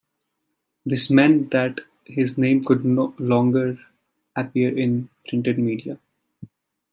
This meant that his name could no longer appear in the printed media.